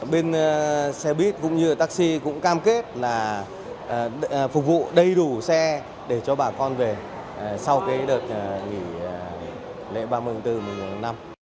bên xe buýt cũng như taxi cũng cam kết là phục vụ đầy đủ xe để cho bà con về sau cái đợt nghỉ lễ ba mươi tháng bốn mùa năm